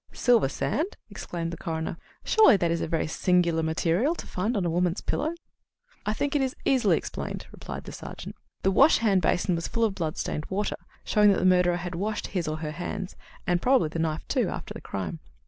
"Silver sand!" exclaimed the coroner. "Surely that is a very singular material to find on a woman's pillow?" "I think it is easily explained," replied the sergeant. "The wash hand basin was full of bloodstained water, showing that the murderer had washed his or her hands, and probably the knife, too, after the crime.